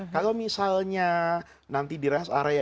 kalau misalnya nanti di rest area